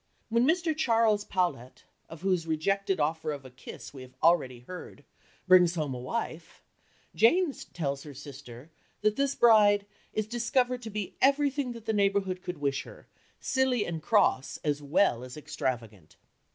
When Charles Powlett (of whose rejected offer of a kiss we have already heard) brings home a wife, Jane tells her sister that this bride "is discovered to be everything that the neighbourhood could wish her, silly and cross as well as extravagant."